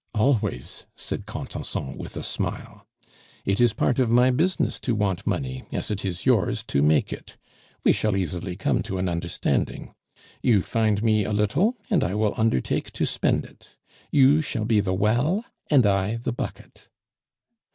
"Always," said Contenson, with a smile. "It is part of my business to want money, as it is yours to make it; we shall easily come to an understanding. You find me a little, and I will undertake to spend it. You shall be the well, and I the bucket."